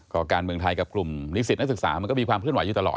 ก็การเมืองไทยกับกลุ่มนิสิตนักศึกษามันก็มีความเคลื่อนไหวอยู่ตลอด